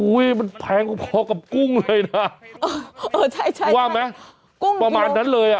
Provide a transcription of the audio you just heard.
อุ้ยมันแพงกว่ากับกุ้งเลยนะเออใช่ว่าไหมประมาณนั้นเลย